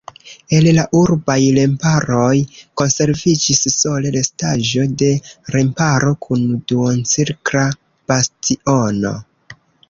El la urbaj remparoj konserviĝis sole restaĵo de remparo kun duoncirkla bastiono.